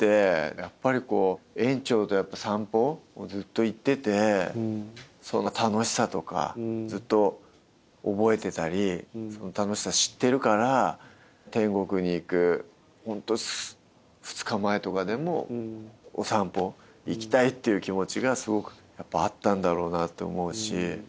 やっぱりこう園長と散歩をずっと行っててその楽しさとかずっと覚えてたりその楽しさ知ってるから天国に行くホント２日前とかでもお散歩行きたいっていう気持ちがすごくやっぱあったんだろうなって思うし。